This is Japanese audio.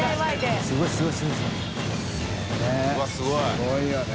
すごいよね。